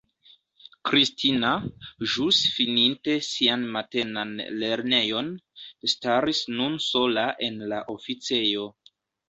Kristina, ĵus fininte sian matenan lernejon, staris nun sola en la oficejo.